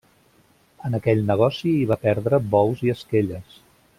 En aquell negoci hi va perdre bous i esquelles.